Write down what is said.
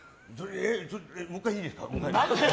もう１回いいですか？